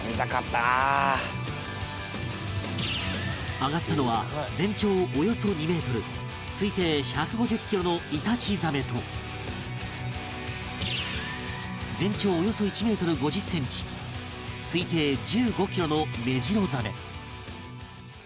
揚がったのは全長およそ２メートル推定１５０キロのイタチザメと全長およそ１メートル５０センチ推定１５キロのメジロザメ